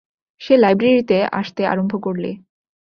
সে লাইব্রেরিতে আসতে আরম্ভ করলে।